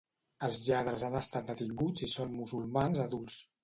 Els lladres han estat detinguts i son musulmans adults